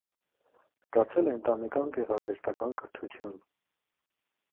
Ստացել է ընտանեկան գեղարվեստական կրթություն։